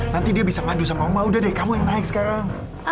nanti dia bisa ngadu sama oma udah deh kamu yang naik sekarang